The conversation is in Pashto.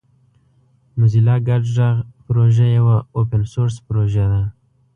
موزیلا ګډ غږ پروژه یوه اوپن سورس پروژه ده.